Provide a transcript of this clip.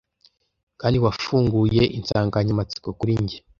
kandi wafunguye insanganyamatsiko kuri njye